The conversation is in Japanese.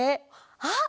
あっ！